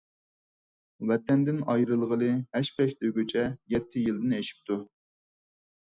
ۋەتەندىن ئايرىلغىلى ھەش-پەش دېگۈچە يەتتە يىلدىن ئېشىپتۇ.